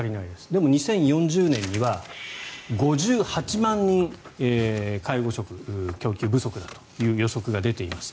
でも２０４０年には５８万人、介護職、供給不足だという予測が出ています。